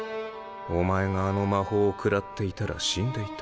お前があの魔法を食らっていたら死んでいた。